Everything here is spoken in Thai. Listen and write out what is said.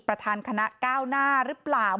ประธานคณะก้าวหน้าหรือเปล่า